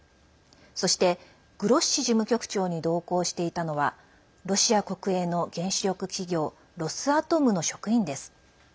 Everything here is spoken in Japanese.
そして、グロッシ事務局長に同行していたのはロシア国営の原子力企業ロスアトムの職員です。